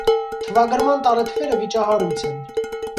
Թվագրման տարեթվերը վիճահարույց են։